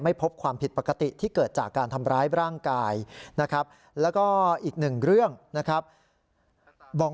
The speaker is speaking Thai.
พบความผิดปกติที่เกิดจากการทำร้ายร่างกายนะครับแล้วก็อีกหนึ่งเรื่องนะครับ